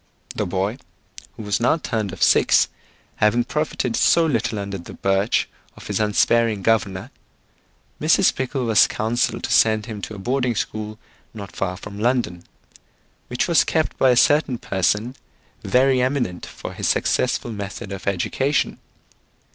The boy, who was now turned of six, having profited so little under the birch of his unsparing governor, Mrs. Pickle was counselled to send him to a boarding school not far from London, which was kept by a certain person very eminent for his successful method of education.